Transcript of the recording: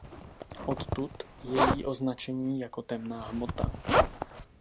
Odtud její označení jako temná hmota.